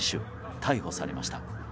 逮捕されました。